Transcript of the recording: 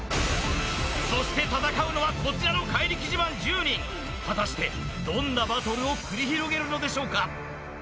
そして戦うのはこちらの怪力自慢１０人果たしてどんなバトルを繰り広げるのでしょうか